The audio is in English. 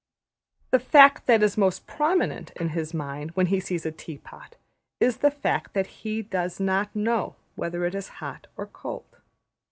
The fact that is most prominent in his mind when he sees a tea pot is the fact that \emph{he does not know} whether it is hot or cold.